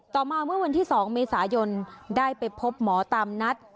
ต่อมาเมื่อวันที่๒เมษายนได้ไปพบหมอตามนัด